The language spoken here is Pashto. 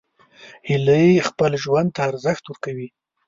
هیلۍ خپل ژوند ته ارزښت ورکوي